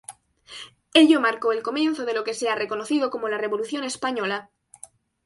Ello marcó el comienzo de lo que se ha conocido como la Revolución Española.